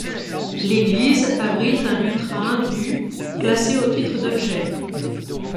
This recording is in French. L'église abrite un lutrin du classé à titre d'objet.